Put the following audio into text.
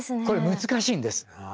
これ難しいんです。